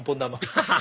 アハハハ！